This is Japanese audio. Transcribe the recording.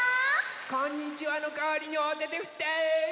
こんにちはのかわりにおててふって！